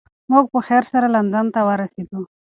موږ په خیر سره لندن ته ورسیدو.